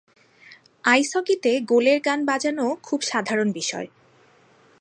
আইস হকিতে গোলের গান বাজানো খুব সাধারণ বিষয়।